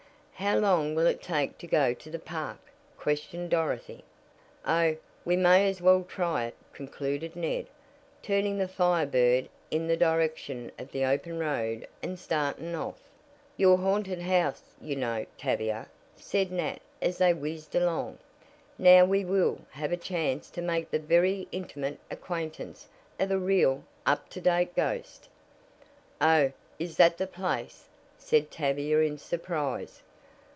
"How long will it take to go to the Park?" questioned Dorothy. "Oh, we may as well try it," concluded Ned, turning the Fire Bird in the direction of the open road and starting off. "Your haunted house, you know, Tavia," said Nat as they whizzed along. "Now we will, have a chance to make the very intimate acquaintance of a real, up to date ghost." "Oh, is that the place?" said Tavia in surprise.